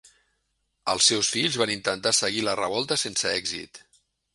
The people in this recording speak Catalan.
Els seus fills van intentar seguir la revolta sense èxit.